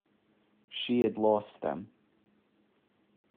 She had lost them.